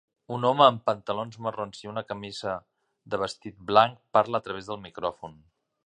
Un home amb pantalons marrons i una camisa de vestit blanc parla a través del micròfon.